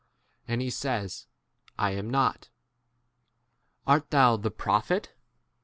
And he says, I am not. Art thou ' the prophet